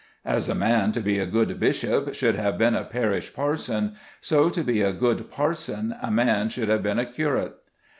As a man to be a good bishop should have been a parish parson, so to be a good parson a man should have been a curate.